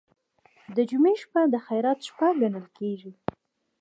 د جمعې شپه د خیرات شپه ګڼل کیږي.